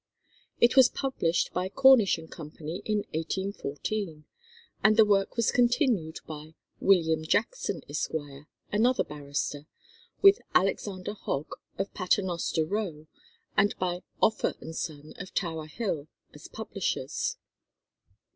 It was published by Cornish and Co. in 1814, and the work was continued by "William Jackson, Esq.," another barrister, with Alexander Hogg, of Paternoster Row, and by Offor and Sons of Tower Hill as publishers.